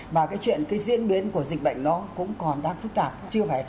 mà cái chuyện cái diễn biến của dịch bệnh nó cũng còn đang phức tạp